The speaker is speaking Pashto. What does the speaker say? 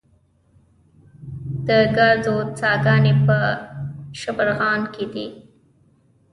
د ګازو څاګانې په شبرغان کې دي